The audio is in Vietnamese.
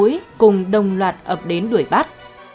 chính xác từ các mũi cùng đồng loạt ập đến đuổi bắt